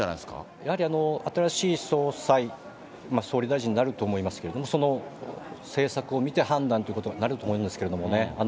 やはり新しい総裁、総理大臣になると思いますけれども、その政策を見て判断ということになると思うんですけどね、